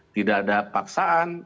tidak ada paksaan